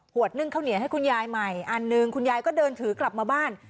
นึ่งข้าวเหนียวให้คุณยายใหม่อันหนึ่งคุณยายก็เดินถือกลับมาบ้าน